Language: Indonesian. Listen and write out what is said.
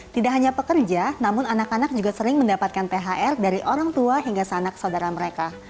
tidak hanya pekerja namun anak anak juga sering mendapatkan thr dari orang tua hingga sanak saudara mereka